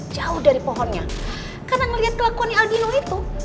jauh dari pohonnya karena melihat kelakuannya aldino itu